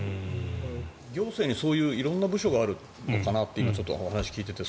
行政にそういう色んな部署があるのかなと今、お話を聞いてて。